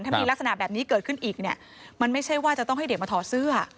ถ้ามีลักษณะแบบนี้เกิดขึ้นอีกเนี่ยมันไม่ใช่ว่าจะต้องให้เด็กมาถอดเสื้อ